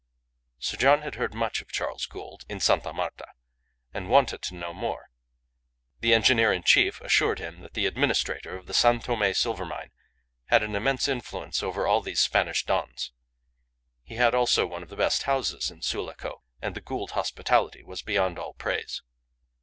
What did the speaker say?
Sir John had heard much of Charles Gould in Sta. Marta, and wanted to know more. The engineer in chief assured him that the administrator of the San Tome silver mine had an immense influence over all these Spanish Dons. He had also one of the best houses in Sulaco, and the Gould hospitality was beyond all praise.